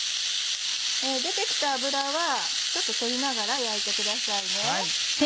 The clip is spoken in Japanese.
出て来た脂はちょっと取りながら焼いてくださいね。